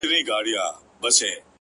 • سپوږميه کړنگ وهه راخېژه وايم ـ